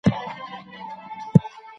یو ښه مشر ملت ژغوري.